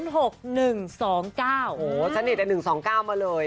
โหชะนีแต่๑๒๙มาเลย